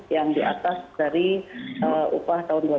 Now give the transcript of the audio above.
yang di atas dari upah tahun dua ribu dua